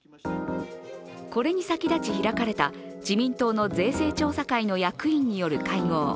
これに先立ち開かれた自民党の税制調査会の役員による会合。